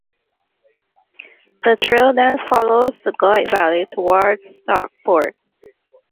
The trail then follows the Goyt Valley towards Stockport.